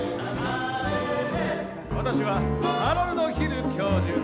私はハロルド・ヒル教授。